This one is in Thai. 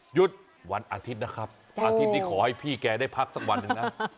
หยุดวันอาทิตย์นะครับอาทิตย์นี้ขอให้พี่แกได้พักสักวันหนึ่งนะ